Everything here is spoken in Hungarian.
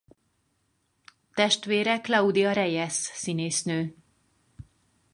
Testvére Claudia Reyes színésznő.